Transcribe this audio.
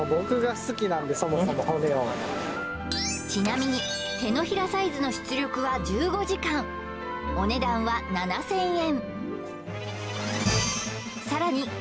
ちなみに手のひらサイズの出力は１５時間お値段は７０００円